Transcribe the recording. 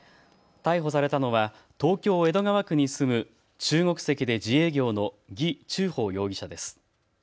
逮捕されたのは東京江戸川区に住む中国籍で自営業の魏忠宝容疑者です。